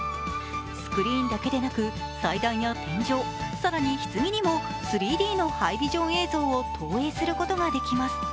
スクリーンだけでなく祭壇や天井、更にひつぎにも３Ｄのハイビジョン映像を投影することができます。